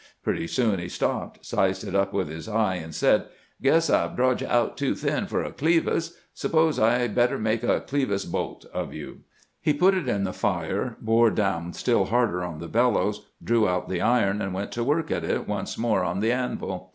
Pretty soon he stopped, sized it up with his eye, and said :' Guess I 've drawed you out too thin for a clevis; suppose I better make a clevis bolt of you.' He put it in the fire, bore down still harder on the bel lows, drew out the iron, and went to work at it once more on the anvil.